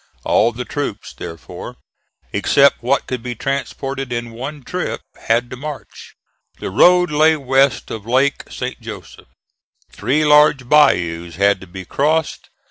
All the troops, therefore, except what could be transported in one trip, had to march. The road lay west of Lake St. Joseph. Three large bayous had to be crossed.